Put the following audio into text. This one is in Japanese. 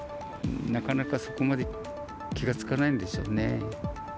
なかなかそこまで気が付かないんでしょうね。